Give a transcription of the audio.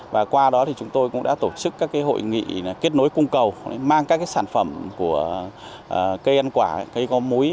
và qua đó thì chúng tôi cũng đã tổ chức các hội nghị kết nối cung cầu mang các sản phẩm của cây ăn quả cây có múi